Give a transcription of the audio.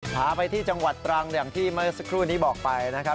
พาไปที่จังหวัดตรังอย่างที่เมื่อสักครู่นี้บอกไปนะครับ